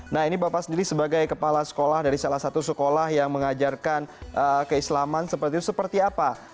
nah ini bapak sendiri sebagai kepala sekolah dari salah satu sekolah yang mengajarkan keislaman seperti itu seperti apa